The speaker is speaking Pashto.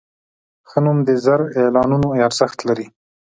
ښه نوم د زر اعلانونو ارزښت لري.